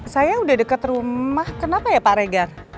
saya udah dekat rumah kenapa ya pak regar